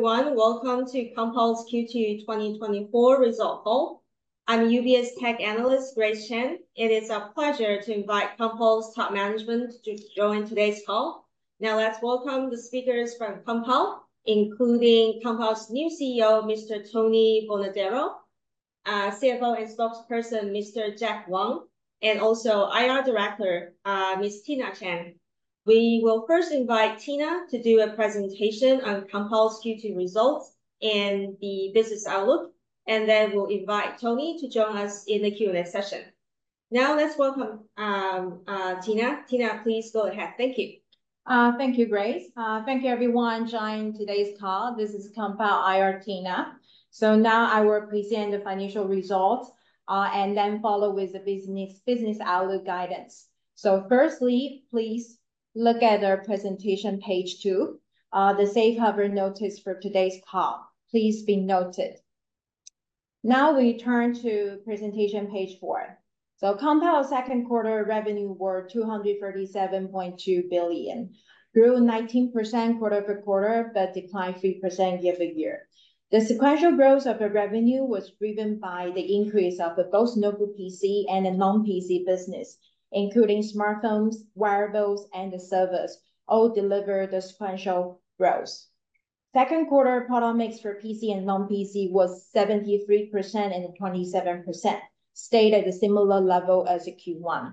Hello, everyone. Welcome to Compal's Q2 2024 result call. I'm UBS Tech Analyst Grace Chen. It is a pleasure to invite Compal's top management to join today's call. Now let's welcome the speakers from Compal, including Compal's new CEO, Mr. Tony Bonadero, CFO and spokesperson, Mr. Jack Wang, and also IR director, Ms. Tina Chang. We will first invite Tina to do a presentation on Compal's Q2 results and the business outlook, and then we'll invite Tony to join us in the Q&A session. Now let's welcome Tina. Tina, please go ahead. Thank you. Thank you, Grace. Thank you everyone joining today's call. This is Compal IR, Tina. Now I will present the financial results, and then follow with the business outlook guidance. Firstly, please look at our presentation page two, the safe harbor notice for today's call. Please be noted. Now we turn to presentation page four. Compal's second quarter revenue were 237.2 billion, grew 19% quarter-over-quarter, but declined 3% year-over-year. The sequential growth of the revenue was driven by the increase of both notebook PC and the non-PC business, including smartphones, wearables, and the servers, all delivered the sequential growth. Second quarter product mix for PC and non-PC was 73% and 27%, stayed at a similar level as Q1.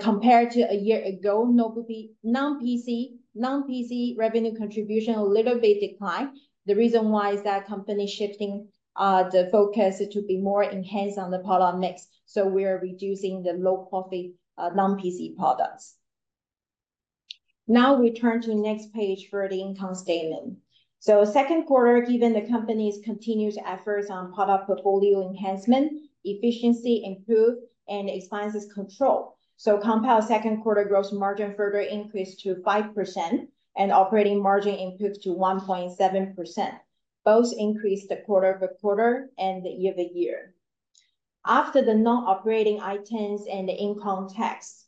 Compared to a year ago, non-PC revenue contribution a little bit declined. The reason why is that company shifting the focus to be more enhanced on the product mix, so we are reducing the low profit non-PC products. Now we turn to next page for the income statement. Second quarter, given the company's continued efforts on product portfolio enhancement, efficiency improved and expenses control. Compal's second quarter gross margin further increased to 5% and operating margin improved to 1.7%, both increased quarter-over-quarter and year-over-year. After the non-operating items and the income tax,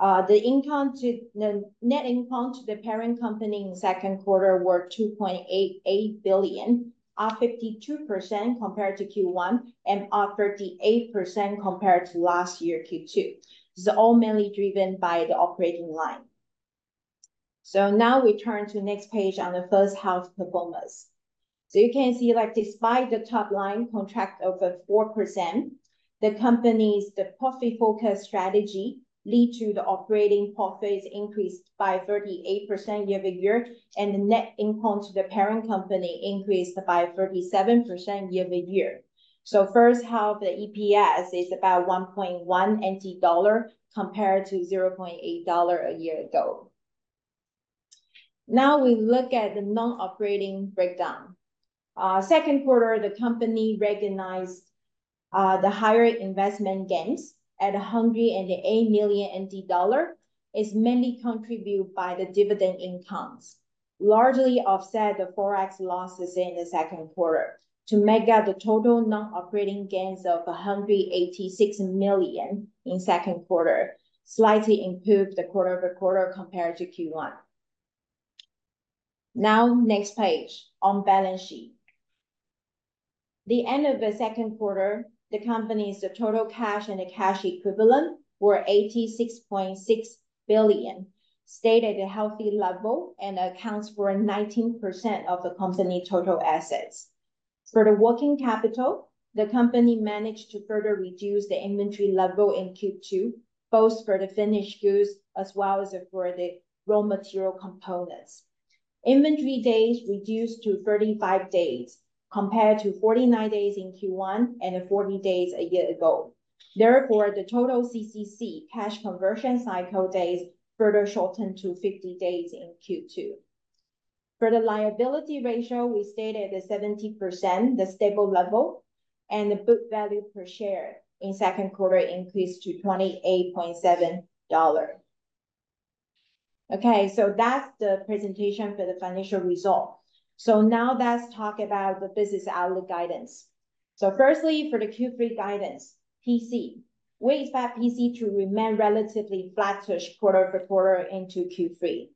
net income to the parent company in second quarter were 2.88 billion, up 52% compared to Q1 and up 38% compared to last year Q2. This is all mainly driven by the operating line. Now we turn to next page on the first half performance. You can see that despite the top line contracted over 4%, the company's profit focus strategy lead to the operating profits increased by 38% year-over-year, and the net income to the parent company increased by 37% year-over-year. First half, the EPS is about 1.1 NT dollar compared to 0.8 dollar a year ago. Now we look at the non-operating breakdown. Second quarter, the company recognized the higher investment gains at 108 million NT dollar is mainly contributed by the dividend incomes, largely offset the forex losses in the second quarter to make up the total non-operating gains of 186 million in second quarter, slightly improved quarter-over-quarter compared to Q1. Now next page on balance sheet. At the end of the second quarter, the company's total cash and the cash equivalent were 86.6 billion, stayed at a healthy level and accounts for 19% of the company total assets. For the working capital, the company managed to further reduce the inventory level in Q2, both for the finished goods as well as for the raw material components. Inventory days reduced to 35 days compared to 49 days in Q1 and 40 days a year ago. Therefore, the total CCC, cash conversion cycle, days further shortened to 50 days in Q2. For the liability ratio, we stayed at 70%, the stable level, and the book value per share in second quarter increased to 28.7 dollar. Okay, that's the presentation for the financial result. Now let's talk about the business outlook guidance. Firstly, for the Q3 guidance, PC. We expect PC to remain relatively flattish quarter-over-quarter into Q3.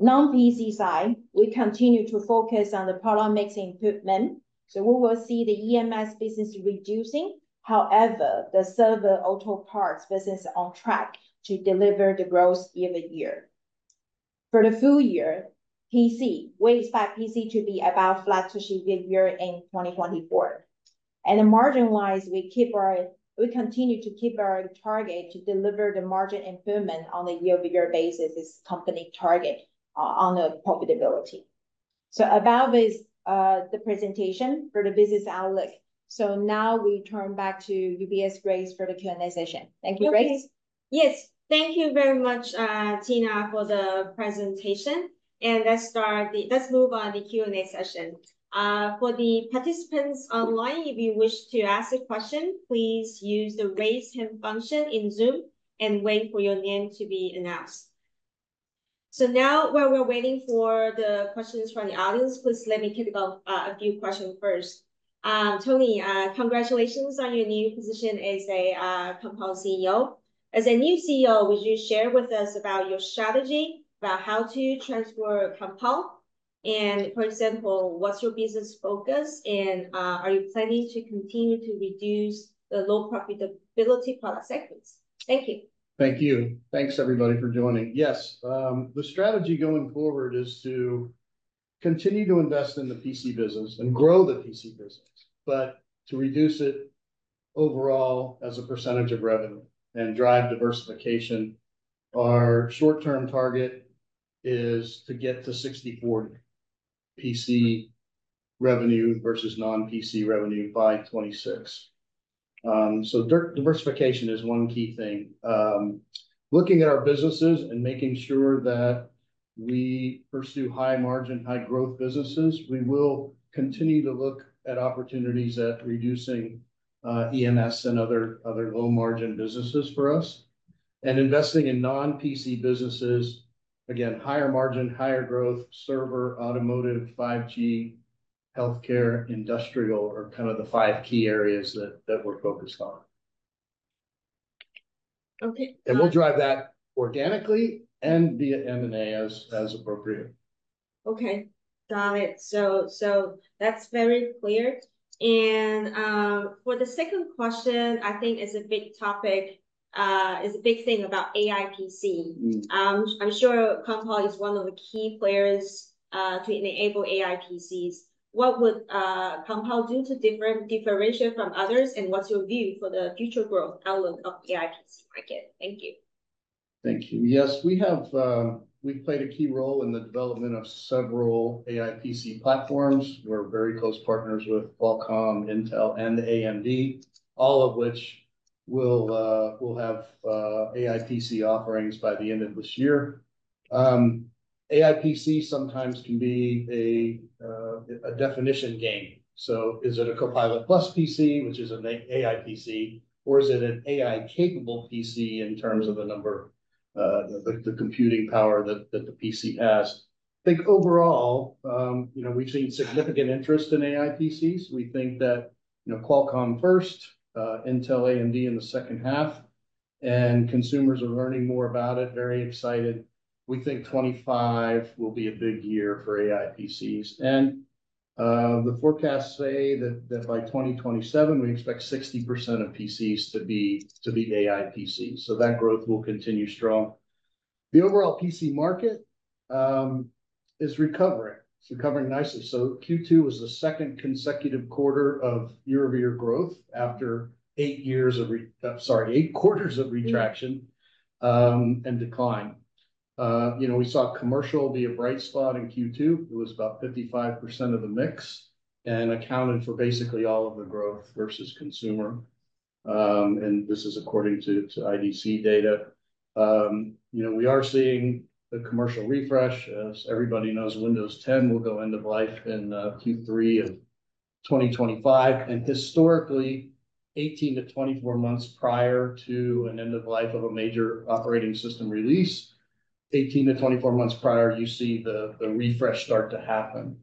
Non-PC side, we continue to focus on the product mix improvement, so we will see the EMS business reducing. However, the server auto parts business on track to deliver the growth year-over-year. For the full year, PC, we expect PC to be about flattish year-over-year in 2024. Margin wise, we continue to keep our target to deliver the margin improvement on the year-over-year basis is company target on the profitability. Above is the presentation for the business outlook. Now we turn back to Grace Chen for the Q&A session. Thank you, Grace. Okay. Yes. Thank you very much, Tina, for the presentation. Let's move on to the Q&A session. For the participants online, if you wish to ask a question, please use the raise hand function in Zoom and wait for your name to be announced. Now while we're waiting for the questions from the audience, please let me kick off a few questions first. Tony, congratulations on your new position as Compal CEO. As a new CEO, would you share with us your strategy about how to transform Compal? For example, what's your business focus, and are you planning to continue to reduce the low profitability product segments? Thank you. Thank you. Thanks everybody for joining. Yes, the strategy going forward is to continue to invest in the PC business and grow the PC business, but to reduce it overall as a percentage of revenue and drive diversification. Our short term target is to get to 60/40 PC revenue versus non-PC revenue by 2026. Diversification is one key thing. Looking at our businesses and making sure that we pursue high margin, high growth businesses. We will continue to look at opportunities to reducing EMS and other low margin businesses for us, and investing in non-PC businesses, again, higher margin, higher growth, server, automotive, 5G, healthcare, industrial are kind of the five key areas that we're focused on and we'll drive that organically and via M&A as appropriate. Okay. Got it. So that's very clear. For the second question, I think it's a big topic, it's a big thing about AI PC. I'm sure Compal is one of the key players to enable AI PCs. What would Compal do to differentiate from others, and what's your view for the future growth outlook of the AI PC market? Thank you. Thank you. Yes, we have, we've played a key role in the development of several AI PC platforms. We're very close partners with Qualcomm, Intel and AMD, all of which will have AI PC offerings by the end of this year. AI PC sometimes can be a definition game. Is it a Copilot+ PC, which is an AI PC, or is it an AI capable PC in terms of the number, the computing power that the PC has? I think overall, you know, we've seen significant interest in AI PCs. We think that, you know, Qualcomm first, Intel, AMD in the second half, and consumers are learning more about it, very excited. We think 2025 will be a big year for AI PCs. The forecasts say that by 2027 we expect 60% of PCs to be AI PCs, so that growth will continue strong. The overall PC market is recovering. It's recovering nicely. Q2 was the second consecutive quarter of year-over-year growth after eight quarters of contraction and decline. You know, we saw commercial be a bright spot in Q2. It was about 55% of the mix and accounted for basically all of the growth versus consumer. This is according to IDC data. You know, we are seeing the commercial refresh. As everybody knows, Windows 10 will go end of life in Q3 of 2025, and historically 18-24 months prior to an end of life of a major operating system release, you see the refresh start to happen.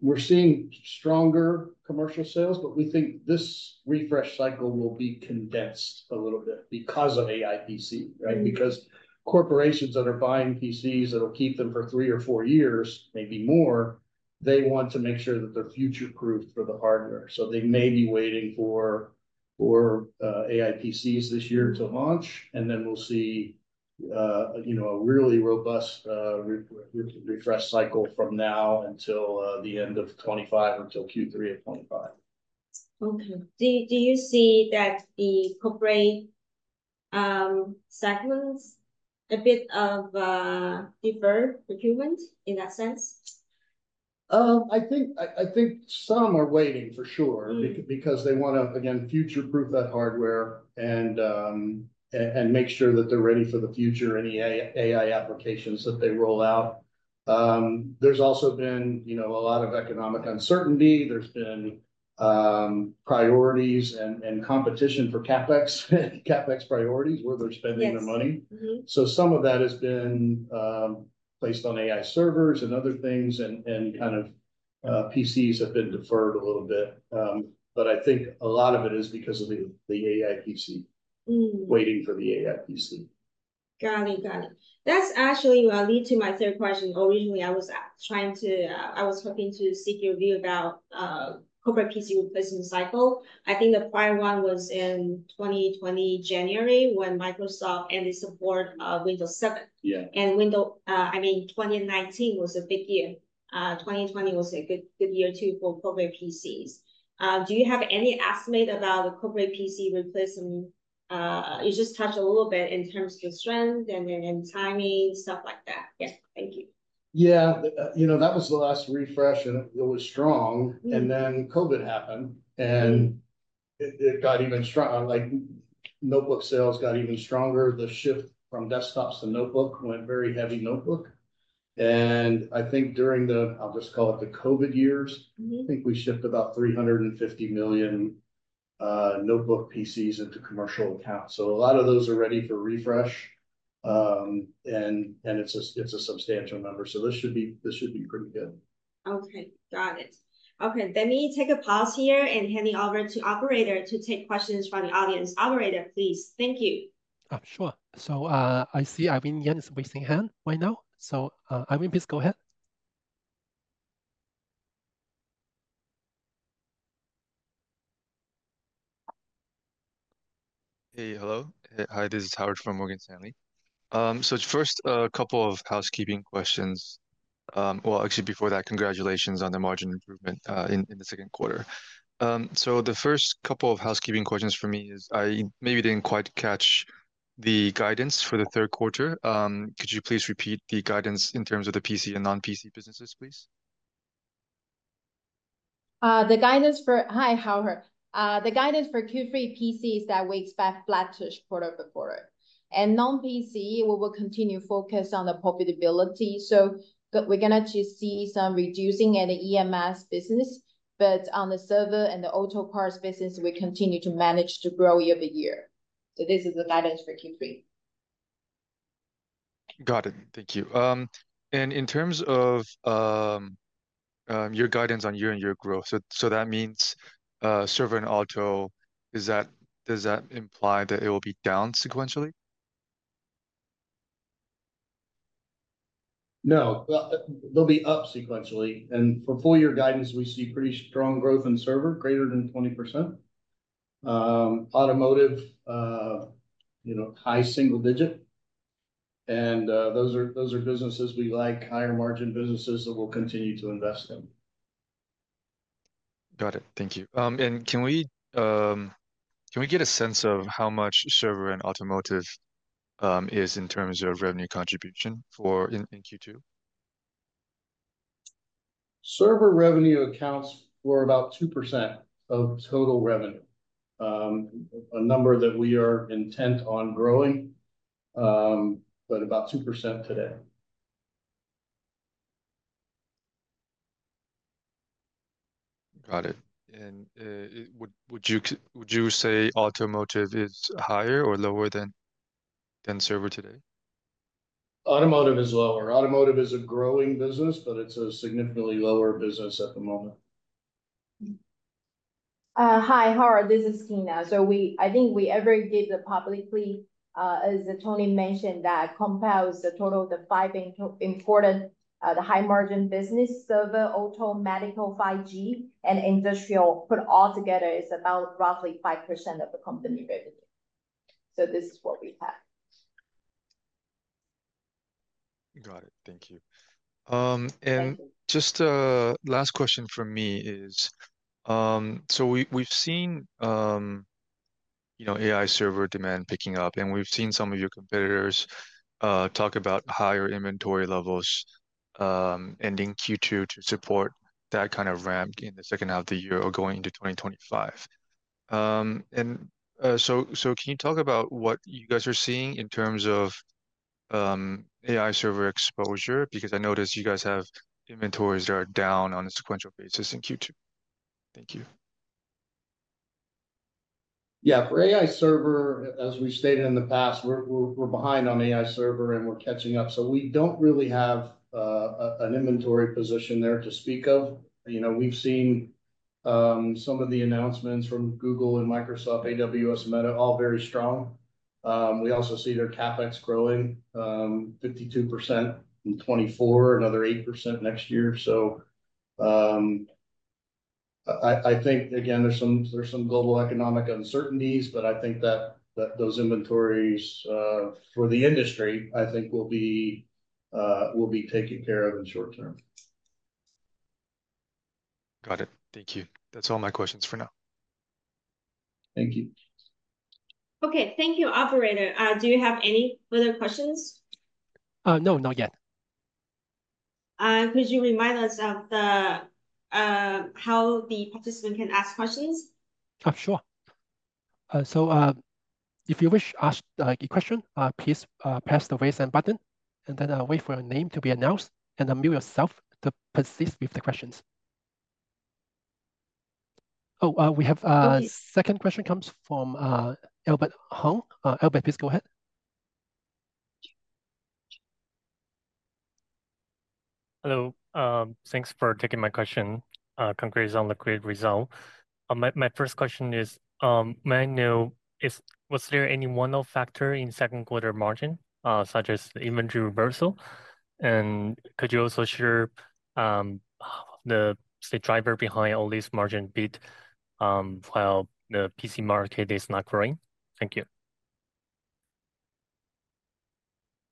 We're seeing stronger commercial sales, but we think this refresh cycle will be condensed a little bit because of AI PC, right? Because corporations that are buying PCs that'll keep them for three or four years, maybe more, they want to make sure that they're future-proof for the hardware. They may be waiting for AI PCs this year to launch, and then we'll see, you know, a really robust refresh cycle from now until the end of 2025, until Q3 of 2025. Okay. Do you see that the corporate segments a bit of deferred procurement in that sense? I think some are waiting for sure. Because they wanna, again, future-proof that hardware and make sure that they're ready for the future, any AI applications that they roll out. There's also been, you know, a lot of economic uncertainty. There's been priorities and competition for CapEx priorities. Yes. Where they're spending their money. Some of that has been placed on AI servers and other things and kind of PCs have been deferred a little bit. I think a lot of it is because of the AI PC. Waiting for the AI PC. Got it. That actually will lead to my third question. Originally I was trying to, I was hoping to seek your view about corporate PC replacement cycle. I think the prior one was in January 2020 when Microsoft ended support of Windows 7. Yeah. 2019 was a big year. 2020 was a good year too for corporate PCs. Do you have any estimate about the corporate PC replacement? You just touched a little bit in terms of strength and timing, stuff like that. Yeah. Thank you. Yeah. You know, that was the last refresh and it was strong and then COVID happened. It got even strong, like notebook sales got even stronger. The shift from desktops to notebook went very heavy notebook. I think during the, I'll just call it the COVID years. I think we shipped about 350 million notebook PCs into commercial accounts. A lot of those are ready for refresh, and it's a substantial number. This should be pretty good. Okay. Got it. Okay. Let me take a pause here and hand it over to operator to take questions from the audience. Operator, please. Thank you. Sure. I see Irwin Yen is raising hand right now. Irwin, please go ahead. Hi, this is Howard from Morgan Stanley. First, a couple of housekeeping questions. Well, actually before that, congratulations on the margin improvement in the second quarter. The first couple of housekeeping questions for me is I maybe didn't quite catch the guidance for the third quarter. Could you please repeat the guidance in terms of the PC and non-PC businesses, please? Hi, Howard. The guidance for Q3 PC is that we expect flattish quarter-over-quarter. Non-PC, we will continue to focus on the profitability, so we're gonna just see some reducing in the EMS business. On the server and the auto parts business, we continue to manage to grow year-over-year. This is the guidance for Q3. Got it. Thank you. In terms of your guidance on year-on-year growth, that means server and auto, does that imply that it will be down sequentially? No. Well, they'll be up sequentially. For full year guidance, we see pretty strong growth in server, greater than 20%. Automotive, you know, high single digit. Those are businesses we like, higher margin businesses that we'll continue to invest in. Got it. Thank you. Can we get a sense of how much server and automotive is in terms of revenue contribution in Q2? Server revenue accounts for about 2% of total revenue, a number that we are intent on growing, but about 2% today. Got it. Would you say automotive is higher or lower than server today? Automotive is lower. Automotive is a growing business, but it's a significantly lower business at the moment. Hi, Howard, this is Tina. I think we never disclosed publicly, as Tony mentioned, that comprises the total of the five important high margin businesses, servers, auto, medical, 5G, and industrial. Put all together, it's about roughly 5% of the company revenue. This is what we have. Got it. Thank you. Just last question from me is, so we've seen, you know, AI server demand picking up, and we've seen some of your competitors talk about higher inventory levels ending Q2 to support that kind of ramp in the second half of the year or going into 2025. Can you talk about what you guys are seeing in terms of AI server exposure? Because I noticed you guys have inventories that are down on a sequential basis in Q2. Thank you. Yeah. For AI server, as we stated in the past, we're behind on AI server, and we're catching up, so we don't really have an inventory position there to speak of. You know, we've seen some of the announcements from Google and Microsoft, AWS, Meta, all very strong. We also see their CapEx growing 52% in 2024, another 8% next year. I think, again, there's some global economic uncertainties, but I think that those inventories for the industry, I think will be taken care of in the short term. Got it. Thank you. That's all my questions for now. Thank you. Okay. Thank you, operator. Do you have any further questions? No, not yet. Could you remind us of how the participant can ask questions? Sure. If you wish to ask a question, please press the Raise Hand button, and then wait for your name to be announced and unmute yourself to proceed with the questions. We have second question comes from, Albert Hong. Albert, please go ahead. Hello. Thanks for taking my question. Congrats on the great result. My first question is, may I know was there any one-off factor in second-quarter margin, such as inventory reversal? Could you also share the driver behind all this margin beat while the PC market is not growing? Thank you.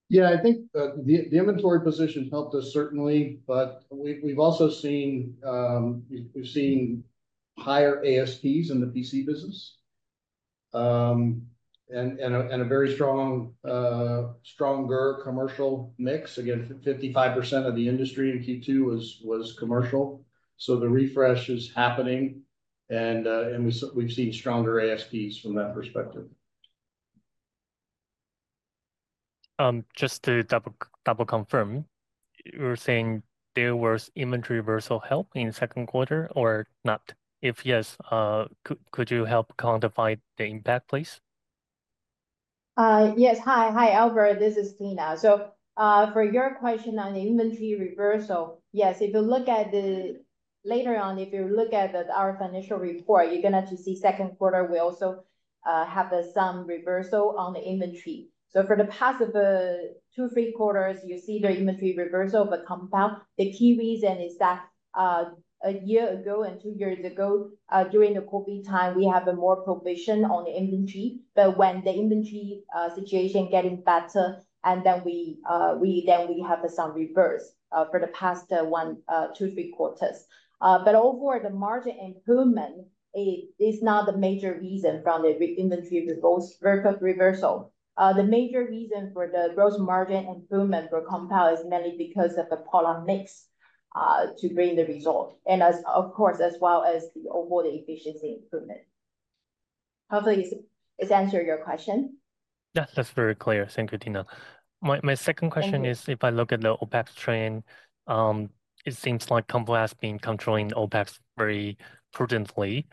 Yeah. I think the inventory position helped us certainly, but we've also seen higher ASPs in the PC business. A stronger commercial mix. Again, 55% of the industry in Q2 was commercial, so the refresh is happening. We've seen stronger ASPs from that perspective. Just to double confirm, you're saying there was inventory reversal help in second quarter or not? If yes, could you help quantify the impact, please? Yes. Hi, Albert, this is Tina. For your question on the inventory reversal, yes, later on, if you look at our financial report, you're gonna just see second quarter we also have some reversal on the inventory. For the past two, three quarters, you see the inventory reversal for Compal. The key reason is that a year ago and two years ago, during the COVID time, we have a more provision on the inventory. When the inventory situation getting better, and then we then we have some reversal for the past one, two, three quarters. Overall, the margin improvement is not the major reason from the inventory reversal, inventory reversal. The major reason for the gross margin improvement for Compal is mainly because of the product mix to bring the result, of course, as well as the overall efficiency improvement. Hopefully this answers your question? Yeah, that's very clear. Thank you, Tina. My second question, if I look at the OpEx trend, it seems like Compal has been controlling OpEx very prudently.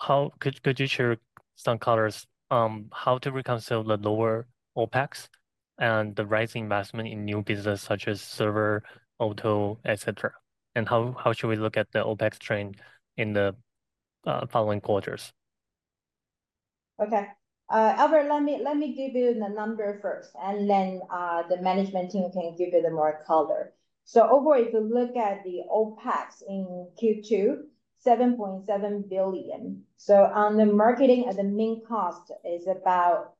How could you share some colors, how to reconcile the lower OpEx and the rising investment in new business such as server, auto, et cetera? How should we look at the OpEx trend in the following quarters? Okay. Albert, let me give you the number first, and then the management team can give you the more color. Overall, if you look at the OpEx in Q2, 7.7 billion. On the marketing and the main expense is about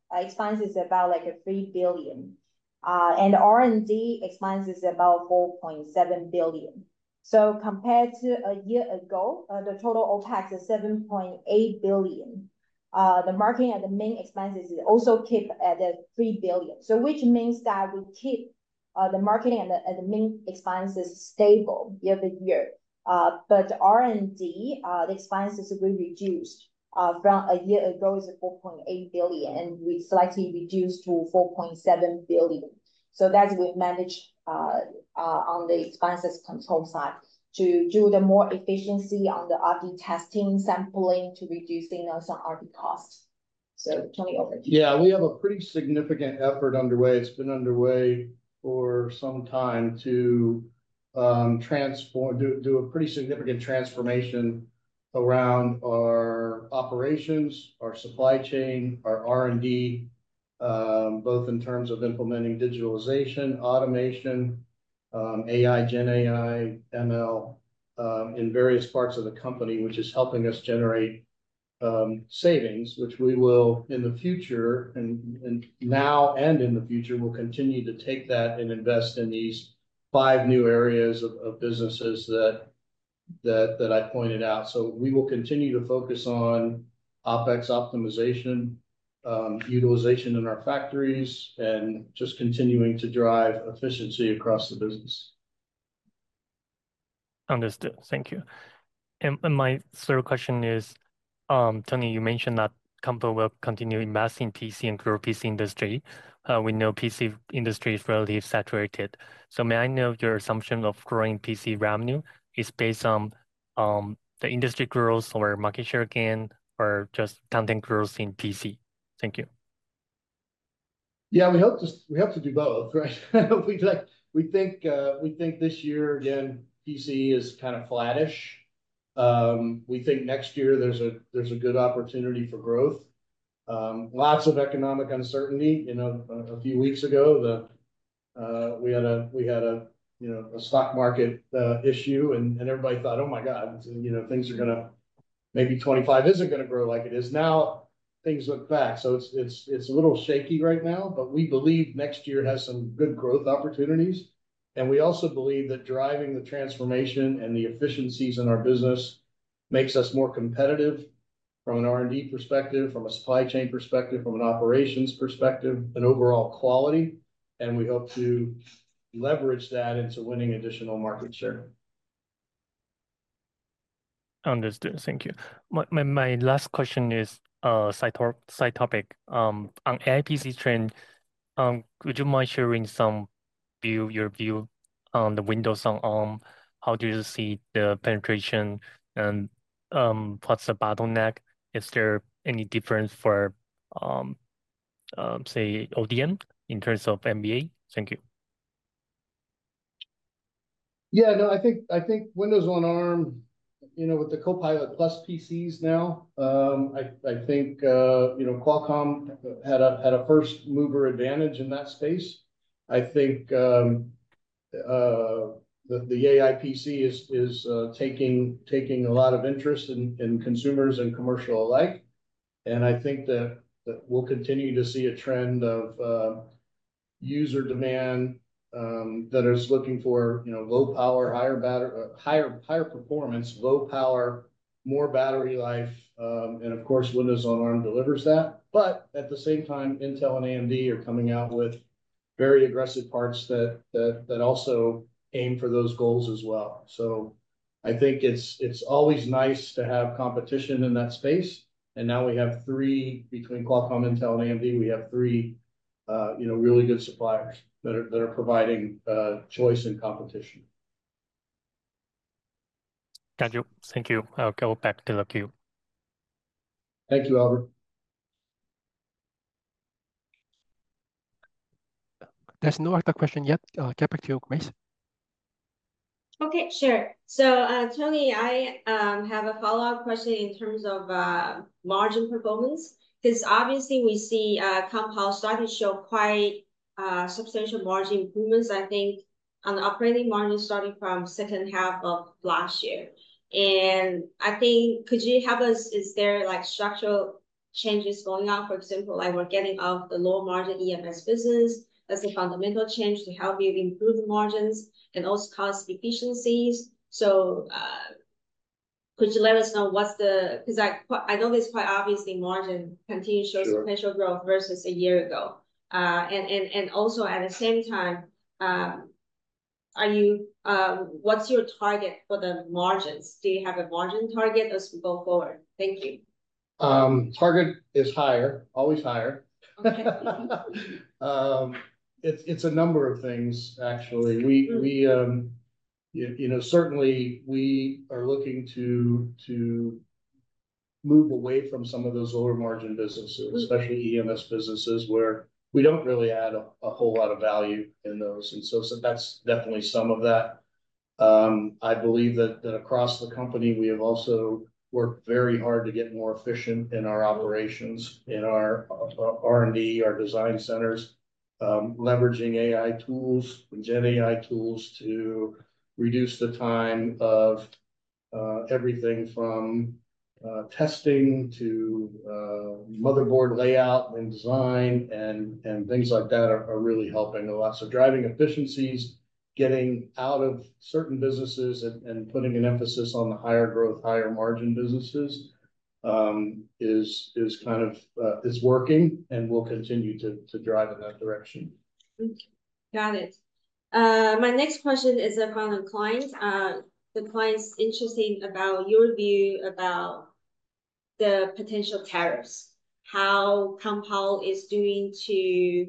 like 3 billion. And R&D expense is about 4.7 billion. Compared to a year ago, the total OpEx is 7.8 billion. The marketing and the main expenses also keep at 3 billion. Which means that we keep the marketing and the main expenses stable year-over-year. But R&D expenses will be reduced from a year ago is 4.8 billion, and we slightly reduced to 4.7 billion. That we manage on the expenses control side to do the more efficiency on the R&D testing sampling to reducing on some R&D costs. Tony, over to you. Yeah, we have a pretty significant effort underway. It's been underway for some time to do a pretty significant transformation around our operations, our supply chain, our R&D, both in terms of implementing digitalization, automation, AI, GenAI, ML in various parts of the company, which is helping us generate savings, which we will in the future and now and in the future will continue to take that and invest in these five new areas of businesses that I pointed out. We will continue to focus on OpEx optimization, utilization in our factories, and just continuing to drive efficiency across the business. Understood. Thank you. My third question is, Tony, you mentioned that Compal will continue investing PC and grow PC industry. We know PC industry is relatively saturated. May I know your assumption of growing PC revenue is based on the industry growth or market share gain, or just content growth in PC? Thank you. Yeah, we hope to do both, right? We think this year, again, PC is kind of flattish. We think next year there's a good opportunity for growth. Lots of economic uncertainty. You know, a few weeks ago, we had a, you know, a stock market issue, and everybody thought, oh my god, you know, things are gonna maybe 2025 isn't gonna grow like it is. Now things look back. It's a little shaky right now, but we believe next year has some good growth opportunities. We also believe that driving the transformation and the efficiencies in our business makes us more competitive from an R&D perspective, from a supply chain perspective, from an operations perspective, and overall quality. We hope to leverage that into winning additional market share. Understood. Thank you. My last question is a side-to-side topic. On AI PC trend, would you mind sharing some view, your view on the Windows on Arm? How do you see the penetration and what's the bottleneck? Is there any difference for, say, ODM in terms of BOM? Thank you. Yeah, no, I think Windows on Arm, you know, with the Copilot+ PCs now, I think you know, Qualcomm had a first mover advantage in that space. I think the AI PC is taking a lot of interest in consumers and commercial alike. I think that we'll continue to see a trend of user demand that is looking for, you know, low power, higher performance, low power, more battery life. Of course, Windows on Arm delivers that. At the same time, Intel and AMD are coming out with very aggressive parts that also aim for those goals as well. I think it's always nice to have competition in that space, and now we have three between Qualcomm, Intel, and AMD, you know, really good suppliers that are providing choice and competition. Got you. Thank you. I'll go back to the queue. Thank you, Albert. There's no other question yet. Back to you, Grace. Okay, sure. Tony, I have a follow-up question in terms of margin performance. 'Cause obviously we see Compal starting to show quite substantial margin improvements, I think on operating margin starting from second half of last year. I think could you help us, is there like structural changes going on? For example, like we're getting out the low margin EMS business, that's a fundamental change to help you improve margins and also cost efficiencies. Could you let us know what's the. 'Cause I know it's quite obviously margin continue shows potential growth versus a year ago. Also at the same time, are you, what's your target for the margins? Do you have a margin target as we go forward? Thank you. Target is higher, always higher. It's a number of things actually. We, you know, certainly we are looking to move away from some of those lower margin businesses. Especially EMS businesses where we don't really add a whole lot of value in those. That's definitely some of that. I believe that across the company, we have also worked very hard to get more efficient in our operations, in our R&D, our design centers, leveraging AI tools and GenAI tools to reduce the time of everything from testing to motherboard layout and design and things like that are really helping a lot. Driving efficiencies, getting out of certain businesses and putting an emphasis on the higher growth, higher margin businesses is kind of working and will continue to drive in that direction. Thank you. Got it. My next question is on the clients' interest in your view about the potential tariffs, how Compal is going to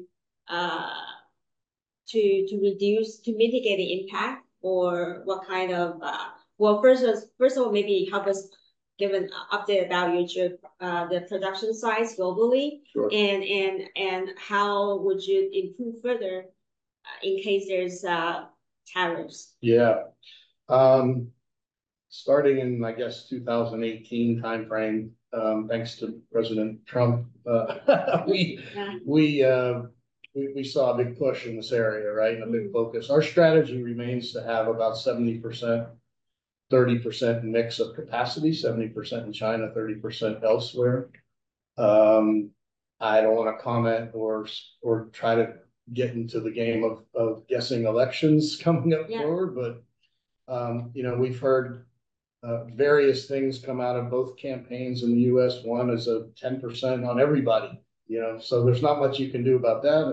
reduce or mitigate the impact? Or what kind of. Well, first of all, maybe give us an update about your production size globally. Sure. How would you improve further, in case there's tariffs? Yeah. Starting in, I guess, 2018 timeframe, thanks to President Trump, we saw a big push in this area, right? A big focus. Our strategy remains to have about 70%-30% mix of capacity, 70% in China, 30% elsewhere. I don't wanna comment or try to get into the game of guessing elections coming up forward. You know, we've heard various things come out of both campaigns in the U.S., one is a 10% on everybody, you know? So there's not much you can do about that.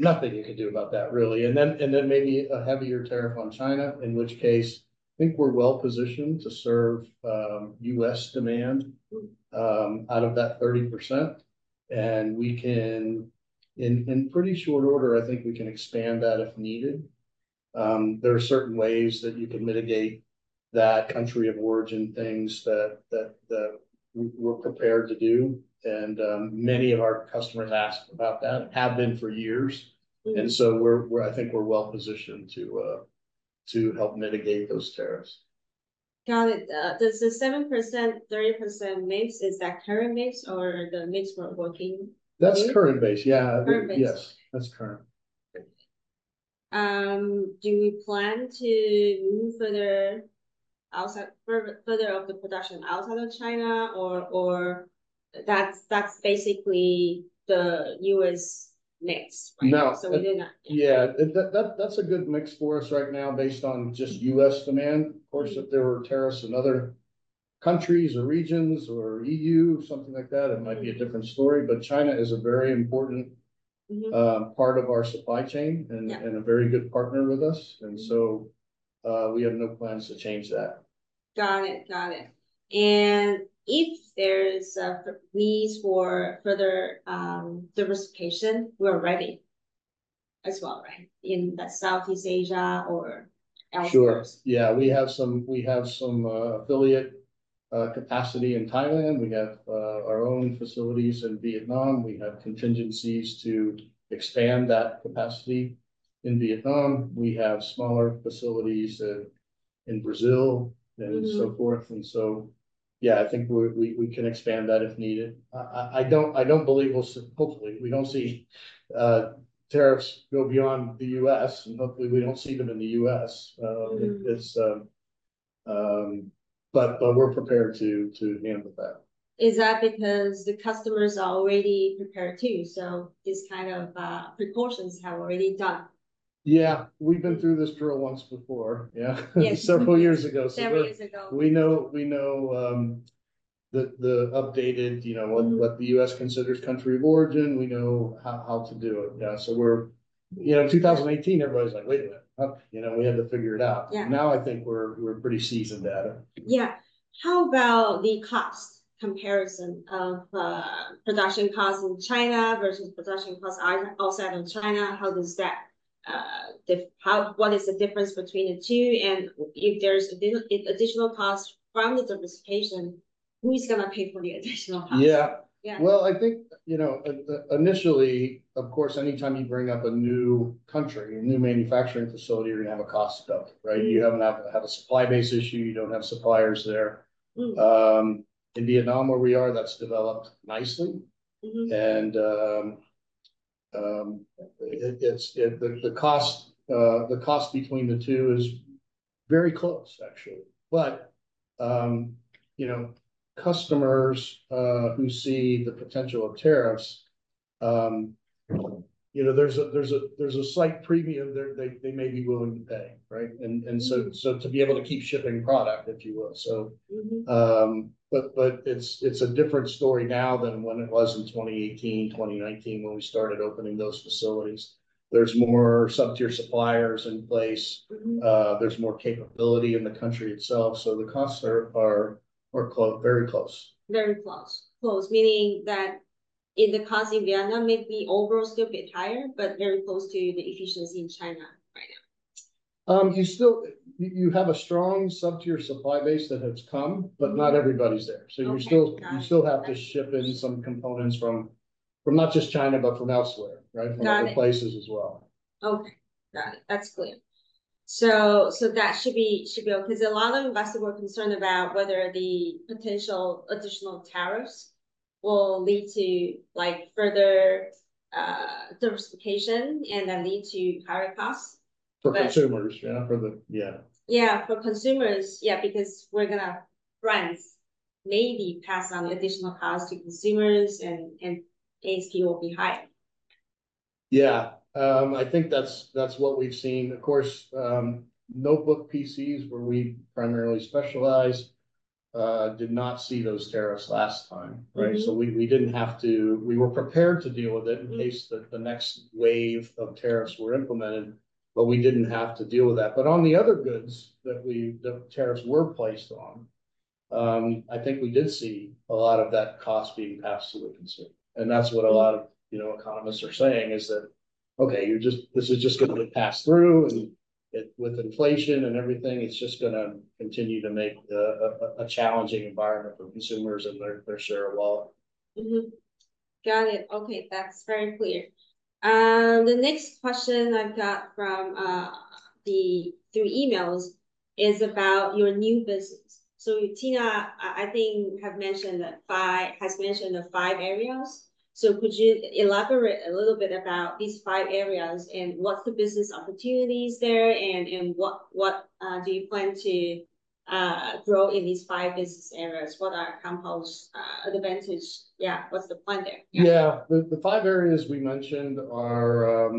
Nothing you can do about that really. Maybe a heavier tariff on China, in which case I think we're well-positioned to serve U.S. demand out of that 30%. We can in pretty short order, I think we can expand that if needed. There are certain ways that you can mitigate that country of origin, things that we are prepared to do. Many of our customers asked about that, have been for years. I think we're well-positioned to help mitigate those tariffs. Got it. Does the 7%, 30% mix, is that current mix or the mix we're working with? That's current base, yeah. Current base. Yes, that's current. Okay. Do we plan to move further outside of China or that's basically the U.S. mix, right? No. We did not, yeah. Yeah. That's a good mix for us right now based on just U.S. demand. Of course, if there were tariffs in other countries or regions or EU, something like that, it might be a different story. China is a very important part of our supply chain and a very good partner with us. We have no plans to change that. Got it. If there is needs for further diversification, we're ready as well, right? In the Southeast Asia or elsewhere. Sure. Yeah. We have some affiliate capacity in Thailand. We have our own facilities in Vietnam. We have contingencies to expand that capacity in Vietnam. We have smaller facilities in Brazil and so forth. Yeah, I think we can expand that if needed. I don't believe, hopefully, we don't see tariffs go beyond the U.S., and hopefully we don't see them in the U.S. We're prepared to handle that. Is that because the customers are already prepared too? This kind of precautions have already done. Yeah, we've been through this drill once before. Yeah. Yes. Several years ago. Several years ago. We know the updated, you know. What the U.S. considers country of origin. We know how to do it. You know, in 2018 everybody's like, wait a minute, oh, we had to figure it out. Now I think we're pretty seasoned at it. Yeah. How about the cost comparison of production cost in China versus production cost outside of China? What is the difference between the two? If there's additional cost from the diversification, who is gonna pay for the additional cost? Yeah. Yeah. Well, I think, you know, initially, of course, any time you bring up a new country, a new manufacturing facility, you're gonna have a cost bump, right? You have a supply base issue. You don't have suppliers there. In Vietnam where we are, that's developed nicely. The cost between the two is very close actually. You know, customers who see the potential of tariffs, you know, there's a slight premium they may be willing to pay, right? To be able to keep shipping product, if you will, so it's a different story now than what it was in 2018, 2019 when we started opening those facilities. There's more sub-tier suppliers in place, there's more capability in the country itself. The costs are very close. Very close. Close, meaning that in the cost in Vietnam may be overall still a bit higher, but very close to the efficiency in China right now? You have a strong sub-tier supply base that has come not everybody's there. Okay. Got it. You still have to ship in some components from not just China, but from elsewhere, right? Got it. From other places as well. Okay. Got it. That's clear. That should be okay 'cause a lot of investors were concerned about whether the potential additional tariffs will lead to, like, further diversification and then lead to higher costs. For consumers. Yeah. Yeah. Yeah, for consumers. Yeah, because brands maybe pass on additional costs to consumers and ASP will be higher. Yeah. I think that's what we've seen. Of course, notebook PCs where we primarily specialize did not see those tariffs last time, right? We were prepared to deal with it. In case the next wave of tariffs were implemented, but we didn't have to deal with that. On the other goods that the tariffs were placed on, I think we did see a lot of that cost being passed to the consumer. That's what a lot of, you know, economists are saying, is that, okay, this is just gonna pass through, and with inflation and everything, it's just gonna continue to make a challenging environment for consumers and their share of wallet. Got it. Okay, that's very clear. The next question I've got through emails is about your new business. Tina, I think has mentioned the five areas. Could you elaborate a little bit about these five areas, and what's the business opportunities there, and what do you plan to grow in these five business areas? What are Compal's advantage? Yeah, what's the plan there? Yeah. Yeah. The five areas we mentioned are.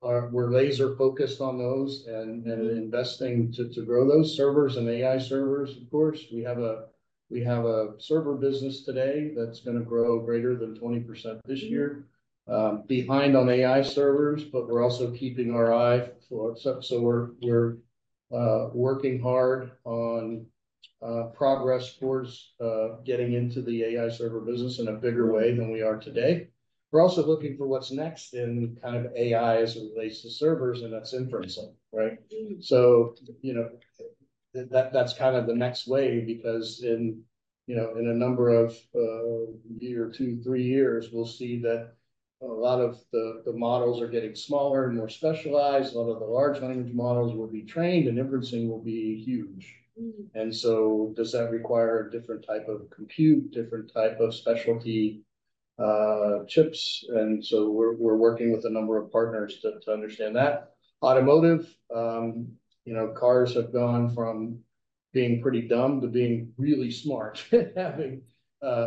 We're laser focused on those and investing to grow those servers and AI servers. Of course, we have a server business today that's gonna grow greater than 20% this year. We're working hard on progress towards getting into the AI server business in a bigger way than we are today. We're also looking for what's next in kind of AI as it relates to servers, and that's inferencing, right? You know, that's kind of the next wave because in you know in a number of years or two, three years we'll see that a lot of the models are getting smaller and more specialized. A lot of the large language models will be trained, and inferencing will be huge. Does that require a different type of compute, different type of specialty, chips? We're working with a number of partners to understand that. Automotive, you know, cars have gone from being pretty dumb to being really smart, having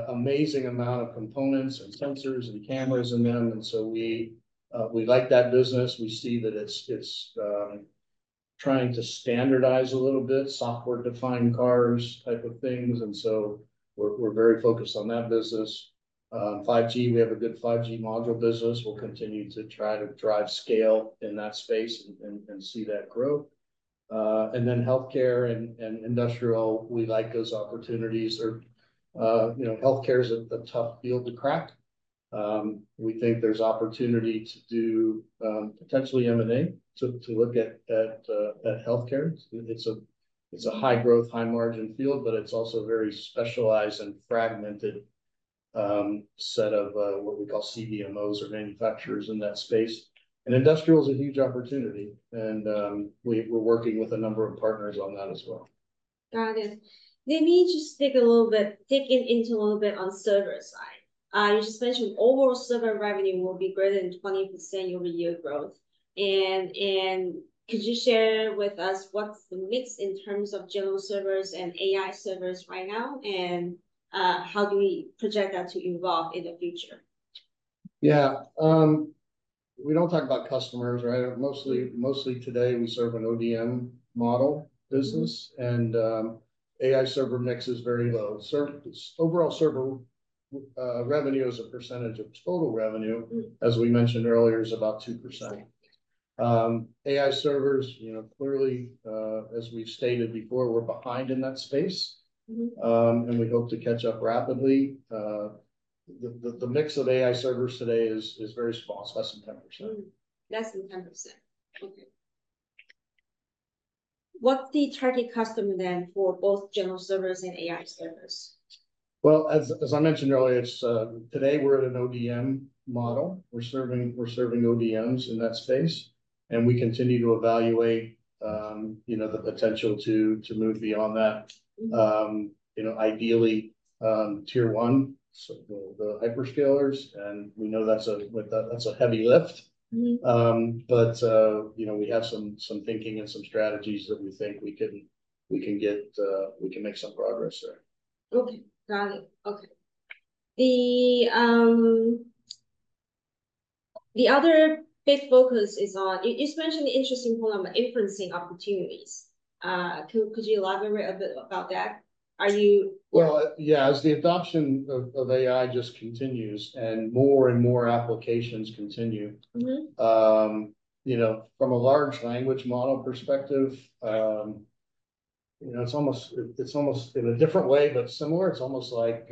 amazing amount of components and sensors and cameras in them. We like that business. We see that it's trying to standardize a little bit, software-defined cars type of things. We're very focused on that business. 5G, we have a good 5G module business. We'll continue to try to drive scale in that space and see that grow. And then healthcare and industrial, we like those opportunities. You know, healthcare is a tough field to crack. We think there's opportunity to do potentially M&A to look at healthcare. It's a high growth, high margin field, but it's also very specialized and fragmented set of what we call CDMOs or manufacturers in that space. Industrial is a huge opportunity, and we're working with a number of partners on that as well. Got it. Let me just dig into a little bit on server side. You just mentioned overall server revenue will be greater than 20% year-over-year growth. Could you share with us what's the mix in terms of general servers and AI servers right now, and how do we project that to evolve in the future? Yeah. We don't talk about customers, right? Mostly today we serve an ODM model business. AI server mix is very low. Overall server revenue as a percentage of total revenue as we mentioned earlier, is about 2%. AI servers, you know, clearly, as we've stated before, we're behind in that space. We hope to catch up rapidly. The mix of AI servers today is very small. It's less than 10%. Less than 10%? Okay. What's the target customer then for both general servers and AI servers? Well, as I mentioned earlier, it's today we're at an ODM model. We're serving ODMs in that space, and we continue to evaluate, you know, the potential to move beyond that. You know, ideally, Tier 1, so the hyperscalers, and we know that's a heavy lift. You know, we have some thinking and some strategies that we think we can make some progress there. Okay. Got it. Okay. The other big focus is on. You mentioned the interesting point on inferencing opportunities. Could you elaborate a bit about that? Are you. Well, yeah, as the adoption of AI just continues, and more and more applications continue. You know, from a large language model perspective, you know, it's almost in a different way, but similar, it's almost like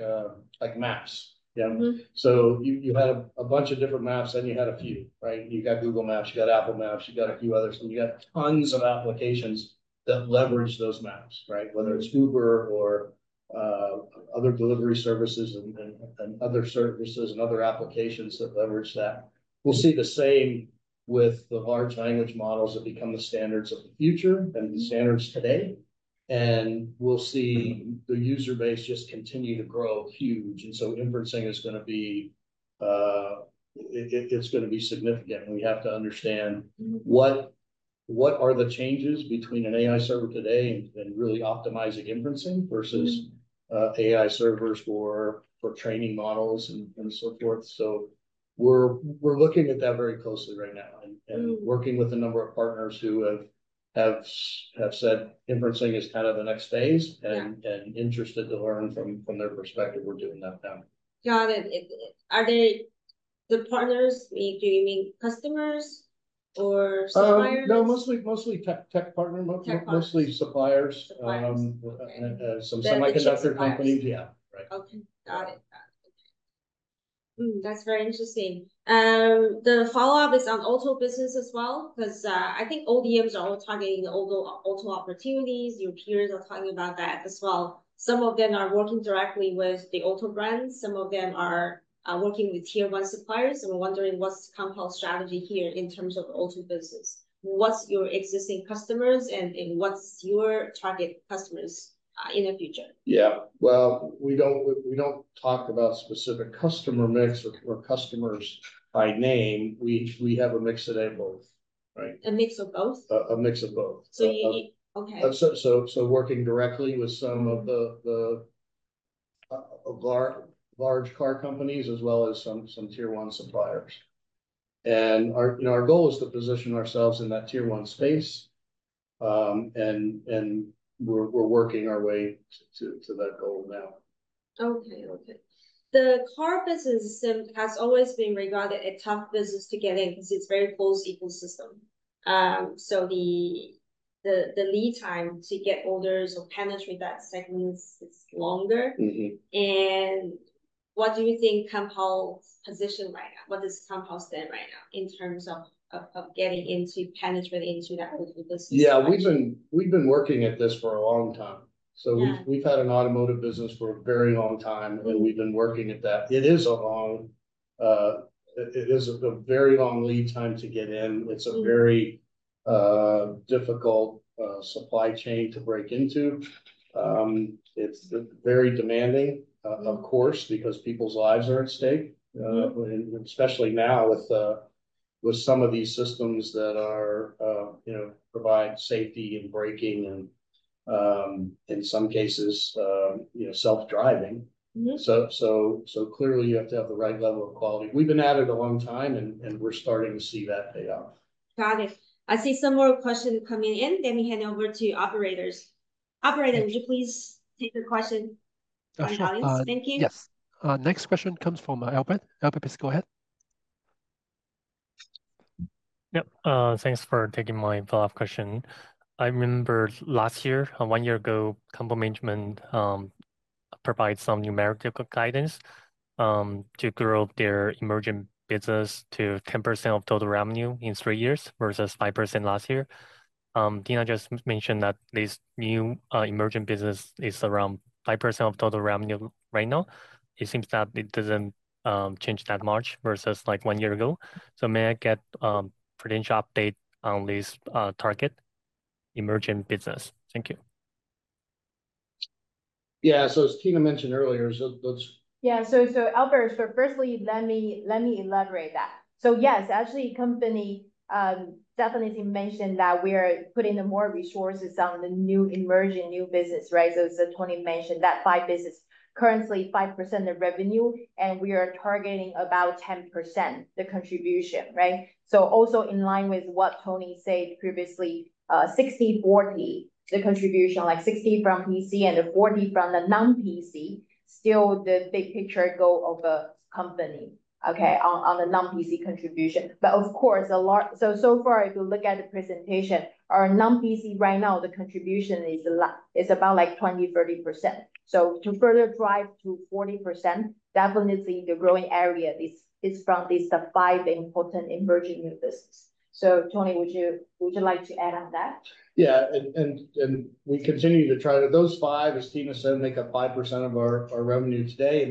maps. You know? You had a bunch of different maps, then you had a few, right? You got Google Maps, you got Apple Maps, you got a few others, and you got tons of applications that leverage those maps, right? Whether it's Uber or other delivery services and other services, and other applications that leverage that. We'll see the same with the large language models that become the standards of the future and the standards today, and we'll see the user base just continue to grow huge, and so inferencing is gonna be. It's gonna be significant. We have to understand, what are the changes between an AI server today and really optimizing inferencing versus AI servers for training models and so forth. We're looking at that very closely right now. Working with a number of partners who have said inferencing is kind of the next phase. Interested to learn from their perspective. We're doing that now. Got it. Are they the partners, maybe you mean customers or suppliers? No, mostly tech partner. Tech partners Mostly suppliers. Suppliers. Okay. Some semiconductor companies. Yeah. Right. Okay. Got it. That's very interesting. The follow-up is on auto business as well, 'cause I think ODMs are all targeting the auto opportunities. Your peers are talking about that as well. Some of them are working directly with the auto brands, some of them are working with Tier 1 suppliers, and we're wondering what's Compal's strategy here in terms of auto business. What's your existing customers, and what's your target customers in the future? Yeah. Well, we don't talk about specific customer mix or customers by name. We have a mix today of both, right? A mix of both? A mix of both. Working directly with some of our large car companies as well as some Tier 1 suppliers. You know, our goal is to position ourselves in that Tier 1 space. We're working our way to that goal now. Okay. The car business system has always been regarded as a tough business to get in because it's very closed ecosystem. The lead time to get orders or penetrate that segment is longer. What do you think Compal's position right now? What does Compal stand right now in terms of getting into penetration into that auto business? Yeah. We've been working at this for a long time. Yeah. We've had an automotive business for a very long time, and we've been working at that. It is a very long lead time to get in. It's a very difficult supply chain to break into. It's very demanding, of course, because people's lives are at stake. Especially now with some of these systems that, you know, provide safety and braking and, in some cases, you know, self-driving. Clearly you have to have the right level of quality. We've been at it a long time, and we're starting to see that pay off. Got it. I see some more questions coming in. Let me hand over to operators. Operator, would you please take the question from the audience? Sure. Thank you. Yes. Next question comes from Albert. Albert, please go ahead. Yep. Thanks for taking my follow-up question. I remember last year, one year ago, Compal management provide some numerical guidance to grow their emerging business to 10% of total revenue in three years versus 5% last year. Tina just mentioned that this new emerging business is around 5% of total revenue right now. It seems that it doesn't change that much versus, like, one year ago. May I get potential update on this target emerging business? Thank you. Yeah. As Tina mentioned earlier, so let's. Yeah. Albert, firstly let me elaborate that. Yes, actually company definitely mentioned that we are putting in more resources on the new emerging business, right? As Tony mentioned, that five business currently 5% of revenue, and we are targeting about 10% the contribution, right? Also in line with what Tony said previously, 60/40, the contribution, like 60 from PC and 40 from the non-PC, still the big picture goal of the company, okay, on the non-PC contribution. Of course, so far, if you look at the presentation, our non-PC right now, the contribution is about, like, 20%, 30%. To further drive to 40%, definitely the growing area is from these, the five important emerging new business. Tony, would you like to add on that? Those five, as Tina said, make up 5% of our revenue today.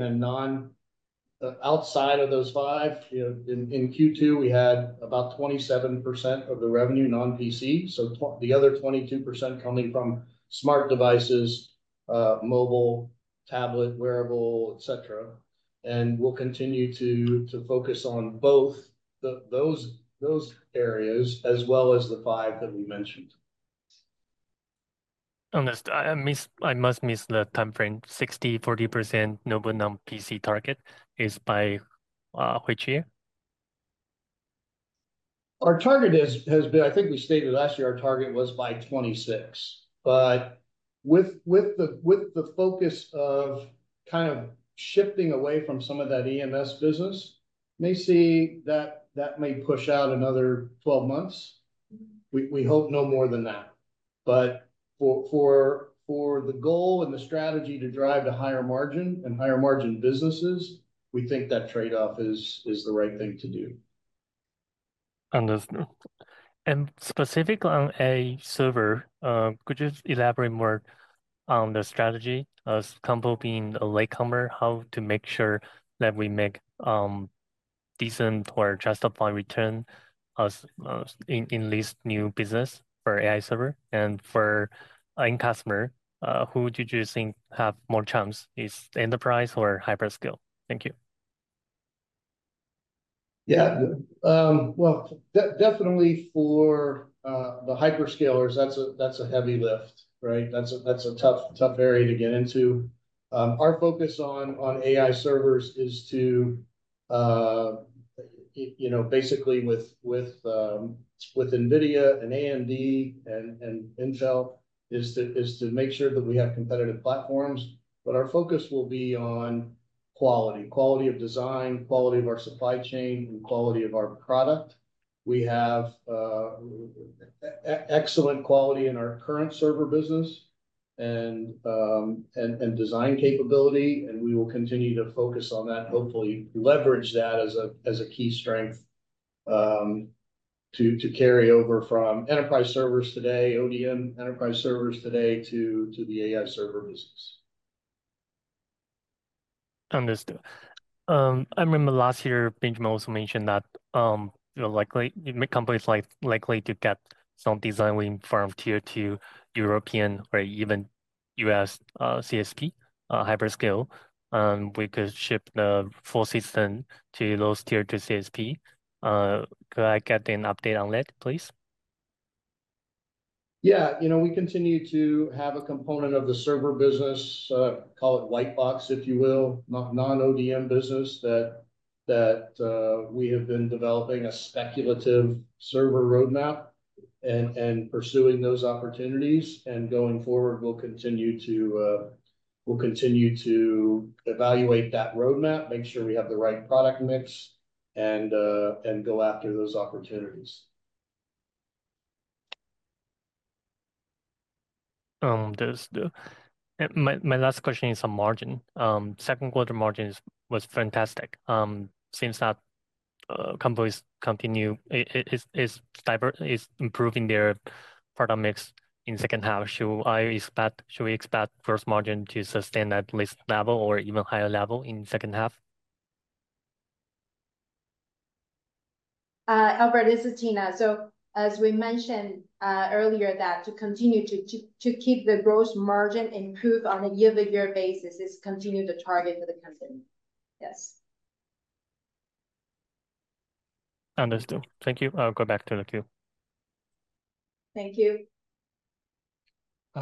Outside of those five, you know, in Q2, we had about 27% of the revenue non-PC. The other 22% coming from smart devices, mobile, tablet, wearable, et cetera. We'll continue to focus on both those areas, as well as the five that we mentioned. Understood. I must miss the timeframe. 60/40 mobile non-PC target is by which year? Our target has been, I think we stated last year our target was by 2026. With the focus of kind of shifting away from some of that EMS business, we may see that that may push out another 12 months. We hope no more than that. For the goal and the strategy to drive to higher margin and higher margin businesses, we think that trade-off is the right thing to do. Understood. Specific on AI server, could you elaborate more on the strategy as Compal being a latecomer, how to make sure that we make decent, or justified return as in this new business for AI server? For end customer, who did you think have more chance? Is enterprise or hyperscale? Thank you. Yeah, well, definitely for the hyperscalers, that's a heavy lift, right? That's a tough area to get into. Our focus on AI servers is to, you know, basically with NVIDIA and AMD and Intel is to make sure that we have competitive platforms. But our focus will be on quality. Quality of design, quality of our supply chain, and quality of our product. We have excellent quality in our current server business and design capability, and we will continue to focus on that, hopefully leverage that as a key strength to carry over from enterprise servers today, ODM enterprise servers today to the AI server business. Understood. I remember last year, Benjamin also mentioned that likely companies to get some design win from Tier 2 European or even U.S. CSP hyperscale. We could ship the full system to those Tier 2 CSP. Could I get an update on that, please? Yeah, you know, we continue to have a component of the server business, call it white box, if you will, non-ODM business that we have been developing a speculative server roadmap and pursuing those opportunities. Going forward, we'll continue to evaluate that roadmap, make sure we have the right product mix, and go after those opportunities. My last question is on margin. Second quarter margin was fantastic. It seems that Compal is improving their product mix in second half. Should we expect gross margin to sustain at least that level or even higher level in second half? Albert, this is Tina. As we mentioned earlier that to continue to keep the gross margin improve on a year-over-year basis is continue to target for the company. Yes. Understood. Thank you. I'll go back to the queue. Thank you.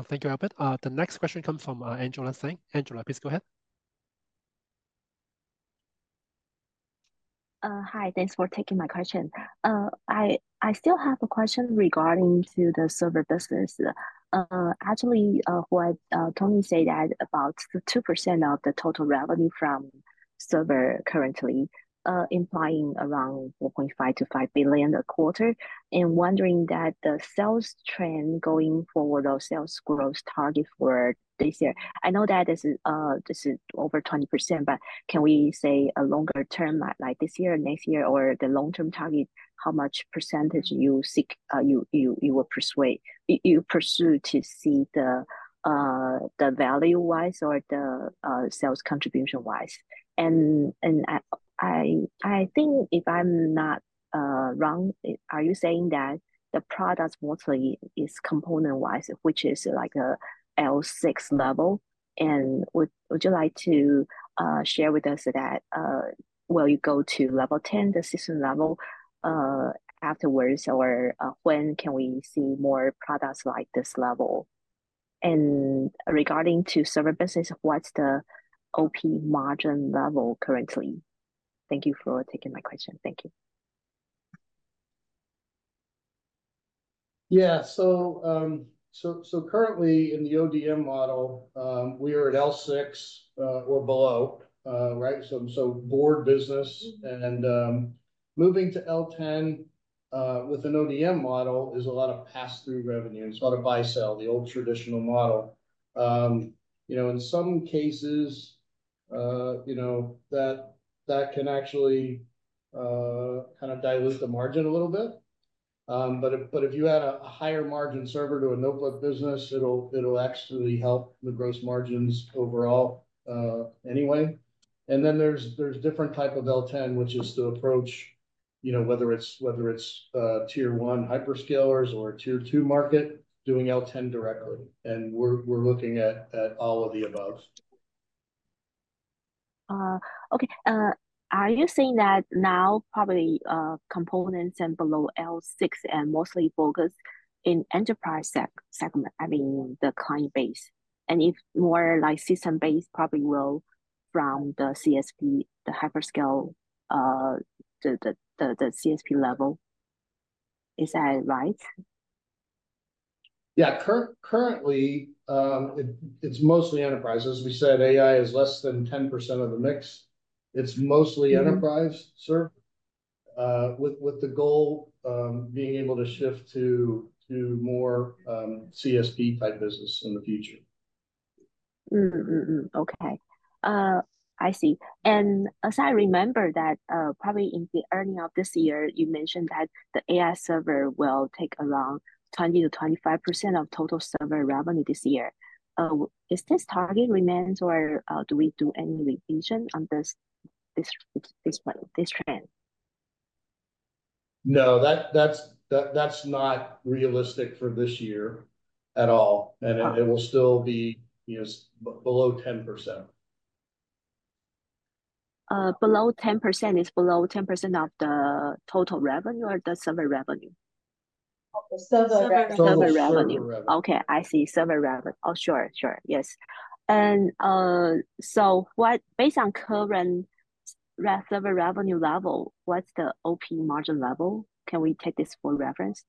Thank you, Albert. The next question comes from Angela Hsing. Angela, please go ahead. Hi. Thanks for taking my question. I still have a question regarding to the server business. Actually, what Tony said that about 2% of the total revenue from server currently, implying around 4.5 billion-5 billion a quarter. Wondering that the sales trend going forward or sales growth target for this year. I know that this is over 20%, but can we say a longer term, like this year, next year, or the long-term target, how much percentage you seek, you pursue to see the value-wise or the sales contribution-wise? I think if I'm not wrong, are you saying that the product mostly is component-wise, which is like a L6 level? Would you like to share with us that will you go to level ten, the system level, afterwards? Or, when can we see more products like this level? Regarding to server business, what's the OP margin level currently? Thank you for taking my question. Thank you. Yeah, currently in the ODM model, we are at L6 or below, right? Board business and moving to L10 with an ODM model is a lot of pass-through revenue. It's a lot of buy-sell, the old traditional model. You know, in some cases, you know, that can actually kind of dilute the margin a little bit. But if you add a higher margin server to a notebook business, it'll actually help the gross margins overall, anyway. There's different type of L10, which is the approach, you know, whether it's Tier 1 hyperscalers or Tier 2 market doing L10 directly. We're looking at all of the above. Okay. Are you saying that now probably components and below L6 and mostly focused in enterprise segment, I mean, the client base? If more like system base probably will from the CSP, the hyperscale, the CSP level. Is that right? Yeah, currently, it's mostly enterprise. As we said, AI is less than 10% of the mix. It's mostly enterprise server, with the goal being able to shift to more CSP type business in the future. I see. As I remember that, probably in the earnings of this year, you mentioned that the AI server will take around 20%-25% of total server revenue this year. Is this target remains or do we do any revision on this trend? No, that's not realistic for this year at all. It will still be, you know, below 10%. Below 10%, is below 10% of the total revenue or the server revenue? Server revenue. Server revenue. Okay, I see. Server revenue. Oh, sure. Yes. Based on current server revenue level, what's the OP margin level? Can we take this for reference?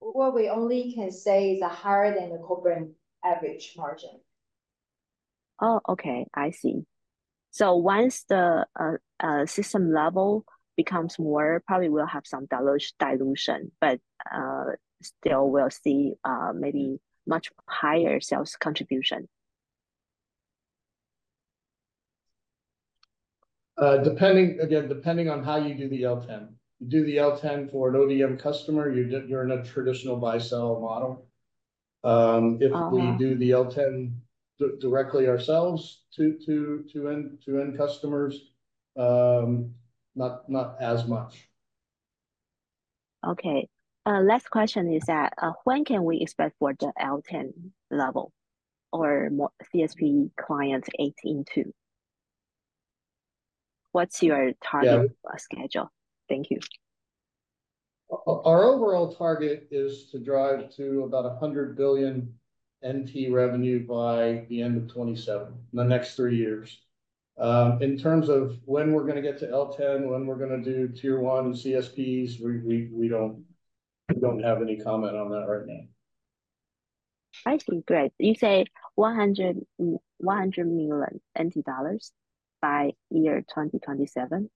What we only can say is higher than the corporate average margin. Oh, okay. I see. Once the system level becomes more, probably we'll have some dilution, but still we'll see maybe much higher sales contribution. Depending on how you do the L10. You do the L10 for an ODM customer, you're in a traditional buy-sell model. If we do the L10 directly ourselves to end customers, not as much. Okay. Last question is that, when can we expect for the L10 level or more CSP clients [18.2]? What's your target or schedule? Thank you. Our overall target is to drive to about 100 billion NT revenue by the end of 2027, in the next three years. In terms of when we're gonna get to L10, when we're gonna do Tier 1 CSPs, we don't have any comment on that right now. I see. Great. You say 100 million NT dollars by year 2027?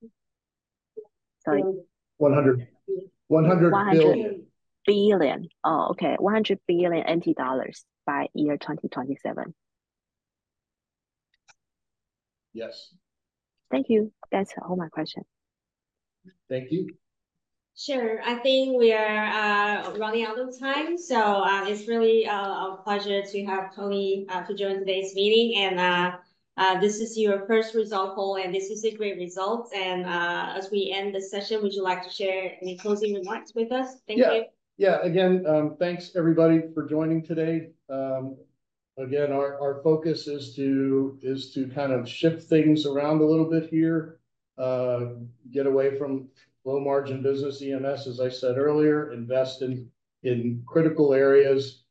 Sorry. 100 billion. 100 billion by year 2027. Yes. Thank you. That's all my question. Thank you. Sure. I think we are running out of time. It's really a pleasure to have Tony Bonadero to join today's meeting. This is your first result call, and this is a great result. As we end the session, would you like to share any closing remarks with us? Thank you. Yeah. Again, thanks everybody for joining today. Again, our focus is to kind of shift things around a little bit here, get away from low margin business, EMS, as I said earlier, invest in critical areas,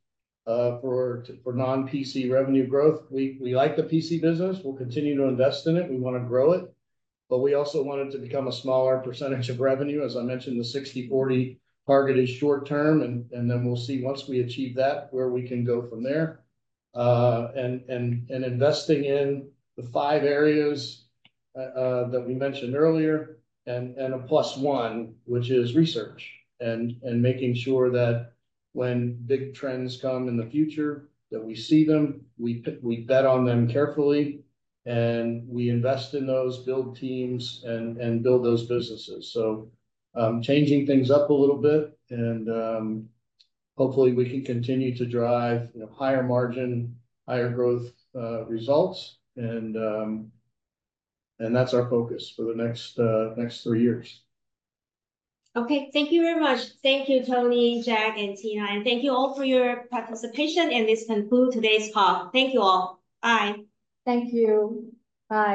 for non-PC revenue growth. We like the PC business. We'll continue to invest in it. We wanna grow it, but we also want it to become a smaller percentage of revenue. As I mentioned, the 60/40 target is short term, and then we'll see once we achieve that, where we can go from there. Investing in the five areas that we mentioned earlier and a plus one, which is research and making sure that when big trends come in the future, that we see them, we bet on them carefully, and we invest in those, build teams and build those businesses. Changing things up a little bit and hopefully we can continue to drive, you know, higher margin, higher growth results. That's our focus for the next three years. Okay. Thank you very much. Thank you Tony, Jack, and Tina, and thank you all for your participation, and this concludes today's call. Thank you all. Bye. Thank you. Bye